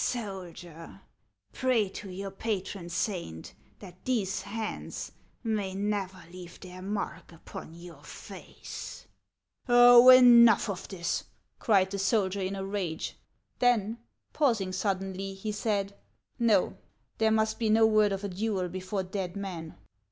" Soldier, pray to your patron saint that these hands may never leave their mark upon your face !" "Oh! — enough of this!" cried the soldier, in a rage. Then, pausing suddenly, he said :" Xo, there must be no word of a duel before dead men."